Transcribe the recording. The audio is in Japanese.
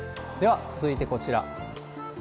では、続いてこちら。